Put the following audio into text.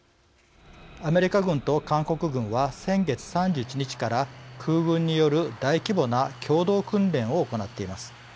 アメリカ軍と韓国軍は先月３１日から空軍による大規模な共同訓練を行っています。